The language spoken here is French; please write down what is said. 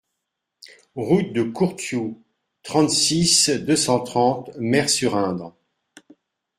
Route de Courtioux, trente-six, deux cent trente Mers-sur-Indre